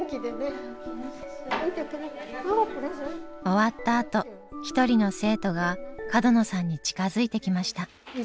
終わったあと一人の生徒が角野さんに近づいてきました。